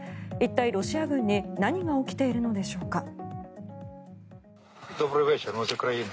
一体、ロシア軍に何が起きているのでしょうか。